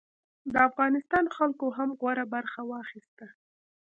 د افغانستان خلکو هم غوره برخه واخیسته.